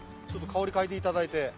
ちょっと香りかいでいただいて。